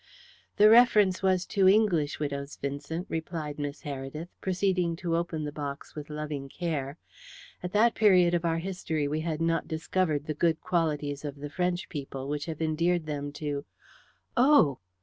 "The reference was to English widows, Vincent," replied Miss Heredith, proceeding to open the box with loving care. "At that period of our history we had not discovered the good qualities of the French people, which have endeared them to Oh!"